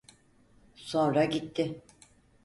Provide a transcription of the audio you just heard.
Sonra gitti.